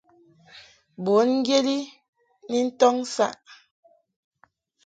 Bùn ŋgyet i ni ntɔŋ saʼ.